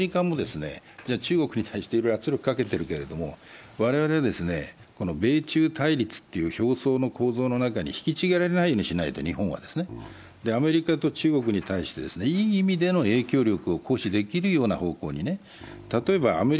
アメリカも圧力を強めていますけれども、我々は米中対立という表層の構造の中に日本は引きちぎられないようにしないと、アメリカと中国に対して、いい意味での影響力を行使できるような方向に。